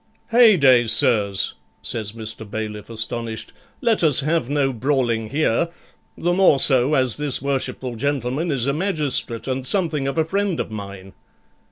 'Heyday, sirs,' says Mr. Bailiff, astonished, 'let us have no brawling here, the more so as this worshipful gentleman is a magistrate and something of a friend of mine.'